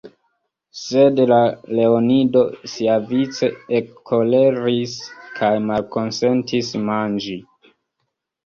Sed la leonido siavice ekkoleris kaj malkonsentis manĝi.